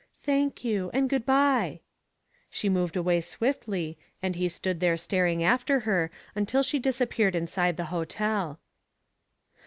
" Thank you, and good by." She moved away swiftly, and he stood there staring after her until she disappeared inside the hotel.